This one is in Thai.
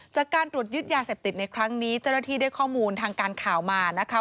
จากการตรวจยึดยาเสพติดในครั้งนี้เจ้าหน้าที่ได้ข้อมูลทางการข่าวมานะคะ